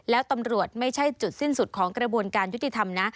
แล้วตำรวจไม่ใช่จุดสิ้นสุดของกระบวนการยุติธรรมนะ